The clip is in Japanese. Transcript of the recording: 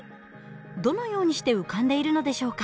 どのようにして浮かんでいるのでしょうか？